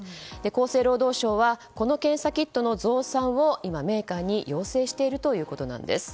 厚生労働省はこの検査キットの増産を今、メーカーに要請しているということです。